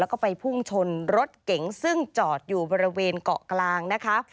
แล้วก็ไปพุ่งชนรถเก๋งซึ่งจอดอยู่บริเวณเกาะกลางนะคะ